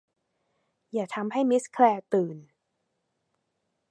อย่าทำให้มิสแคลร์ตื่น